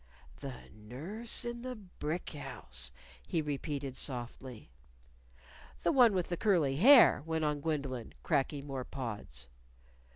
"The nurse in the brick house!" he repeated softly. "The one with the curly hair," went on Gwendolyn, cracking more pods.